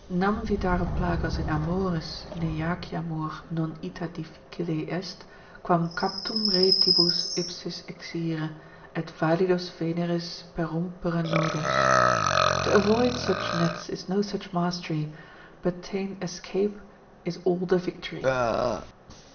Nam vitare plagas in amoris ne jaciamur Non ita difficile est, quam captum retibus ipsis Exire, et validos Veneris perrumpere nodos. To avoid such nets is no such mastery, But ta'en escape is all the victory.